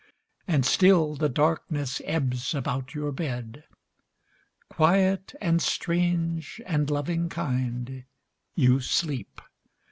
And still the darkness ebbs about your bed. Quiet, and strange, and loving kind, you sleep.